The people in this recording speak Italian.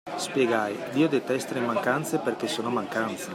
Spiegai: Dio detesta le mancanze, perché sono mancanze.